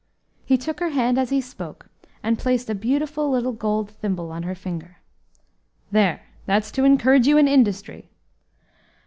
He took her hand, as he spoke, and placed a beautiful little gold thimble on her finger. "There, that's to encourage you in industry."